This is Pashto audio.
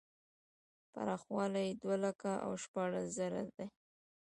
پراخوالی یې دوه لکه او شپاړس زره دی.